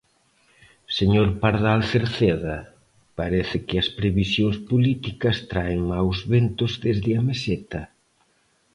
Señor Pardal Cerceda, parece que as previsións políticas traen maos ventos desde a Meseta.